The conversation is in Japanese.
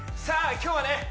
さあ今日はね